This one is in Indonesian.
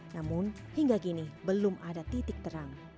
namun hingga kini belum ada titik terang